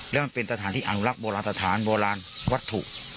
แล้วมันเป็นสถานที่อนุรักษ์โบราณสถานโบราณวัตถุ